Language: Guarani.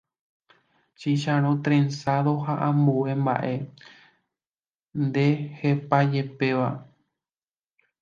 Chicharõ trenzado ha ambue mba'e ndehepajepéva